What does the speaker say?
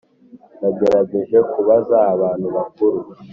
Nagerageje kubaza abantu bakuru